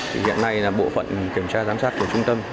thì hiện nay là bộ phận kiểm tra giám sát của trung tâm